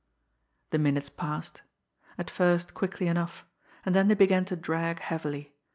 The minutes passed; at first quickly enough, and then they began to drag heavily.